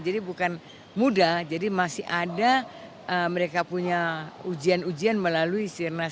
jadi bukan mudah jadi masih ada mereka punya ujian ujian melalui sirnas